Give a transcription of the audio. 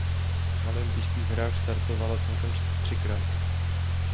Na olympijských hrách startovala celkem třikrát.